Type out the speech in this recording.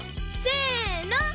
せの！